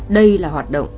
đây là hoạt động